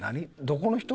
どこの人？